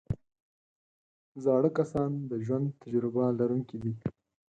زاړه کسان د ژوند تجربه لرونکي دي